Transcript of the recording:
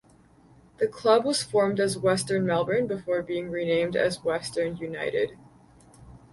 The club was formed as Western Melbourne before being renamed as Western United.